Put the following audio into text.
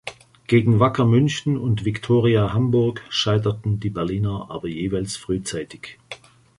Gegen Wacker München und Victoria Hamburg scheiterten die Berliner aber jeweils frühzeitig.